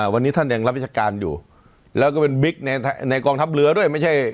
วันนี้ท่านยังรับวิจักรการอยู่แล้วก็เป็นบิ๊กในกองทัพเรือด้วย